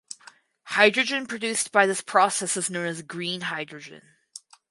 Hydrogen produced by this process is known as green hydrogen.